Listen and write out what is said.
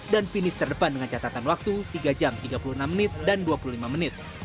dan finish terdepan dengan catatan waktu tiga jam tiga puluh enam menit dan dua puluh lima menit